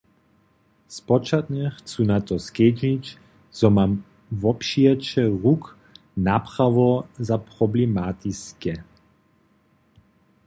Spočatnje chcu na to skedźbnić, zo mam wopřijeće ruk naprawo za problematiske.